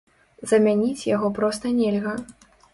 Замяніць яго проста нельга.